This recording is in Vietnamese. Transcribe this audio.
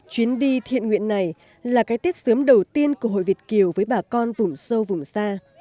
chuyến đi thiện nguyện này là cái tết sớm đầu tiên của hội việt kiều với bà con vùng sâu vùng xa